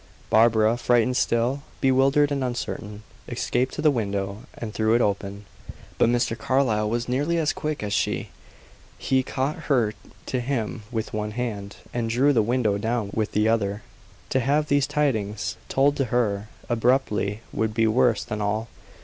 Barbara, frightened still, bewildered and uncertain, escaped to the window and threw it open. But Mr. Carlyle was nearly as quick as she; he caught her to him with one hand, and drew the window down with the other. To have these tidings told to her abruptly would be worse than all.